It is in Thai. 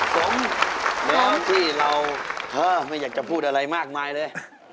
สงแล้วที่เราไม่อยากจะพูดอะไรมากมายเลย